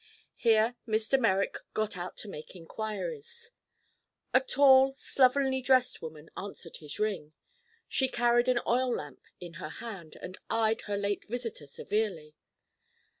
Here Mr. Merrick got out to make inquiries. A tall, slovenly dressed woman answered his ring. She carried an oil lamp in her hand and eyed her late visitor severely.